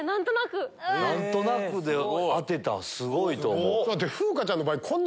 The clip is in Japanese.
何となくで当てたんすごいと思う。